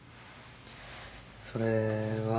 それは。